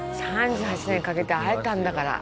３８年かけて会えたんだから。